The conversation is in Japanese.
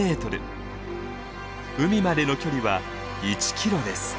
海までの距離は１キロです。